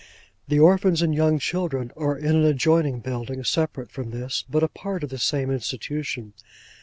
The orphans and young children are in an adjoining building separate from this, but a part of the same Institution.